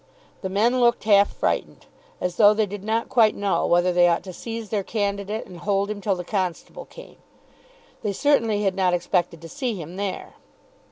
The men looked half frightened, as though they did not quite know whether they ought to seize their candidate, and hold him till the constable came. They certainly had not expected to see him there.